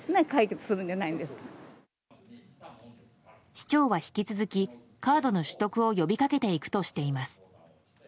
市長は引き続きカードの取得を呼びかけていくとしています。